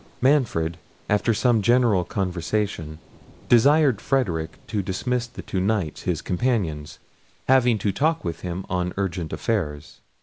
Manfred, after some general conversation, desired Frederic to dismiss the two Knights, his companions, having to talk with him on urgent affairs.